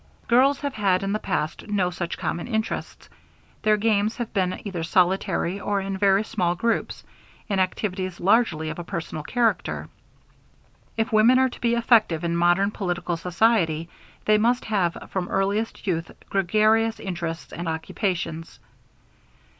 Girls have had in the past no such common interests. Their games have been either solitary or in very small groups, in activities largely of a personal character. If women are to be effective in modern political society, they must have from earliest youth gregarious interests and occupations.